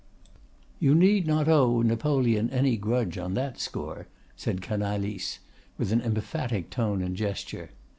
"You need not owe Napoleon any grudge on that score," said Canalis, with an emphatic tone and gesture.